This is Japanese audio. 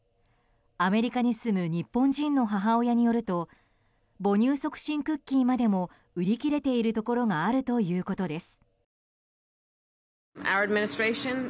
アメリカに住む日本人の母親によると母乳促進クッキーまでも売り切れているところがあるということです。